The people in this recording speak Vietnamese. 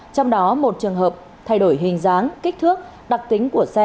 trong đó một trường hợp thay đổi hình dáng kích thước đặc tính của xe